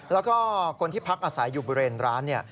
แล้วก็คนที่พักอาศัยอยู่บริเวณร้านเนี่ย